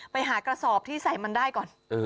ไปหากระสอบที่ใส่มันได้ก่อน